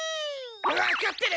わかってる。